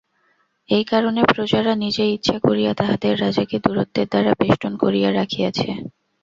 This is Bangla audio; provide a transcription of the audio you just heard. এই কারণে, প্রজারা নিজেই ইচ্ছা করিয়া তাহাদের রাজাকে দূরত্বের দ্বারা বেষ্টন করিয়া রাখিয়াছে।